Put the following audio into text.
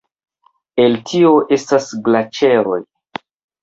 El tio estas glaĉeroj.